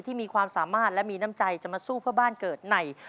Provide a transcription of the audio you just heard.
มีความสามารถและมีน้ำใจจะมาสู้เพื่อบ้านเกิดใน